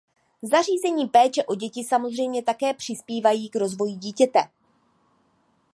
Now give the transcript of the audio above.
Zařízení péče o děti samozřejmě také přispívají k rozvoji dítěte.